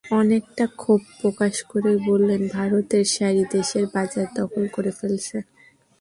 অনেকটা ক্ষোভ প্রকাশ করেই বললেন, ভারতের শাড়ি দেশের বাজার দখল করে ফেলছে।